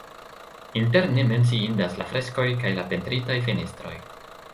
Interne menciindas la freskoj kaj la pentritaj fenestroj.